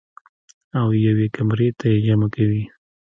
او يوې کمرې ته ئې جمع کوي -